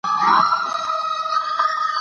موږ به هېڅکله تسلیم نه شو.